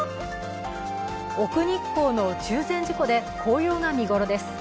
奥日光の中禅寺湖で紅葉が見頃です。